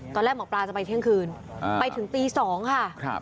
ตอนแรกหมอปลาจะไปเที่ยงคืนไปถึงตี๒ค่ะ